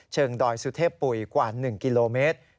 ดอยสุเทพปุ๋ยกว่า๑กิโลเมตร